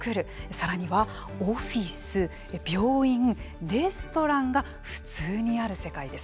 さらには、オフィス、病院レストランが普通にある世界です。